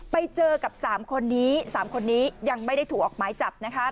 ไปเจอกับ๓คนนี้๓คนนี้ยังไม่ได้ถูกออกหมายจับนะคะ